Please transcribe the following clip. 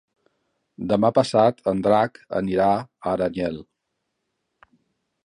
Demà passat en Drac anirà a Aranyel.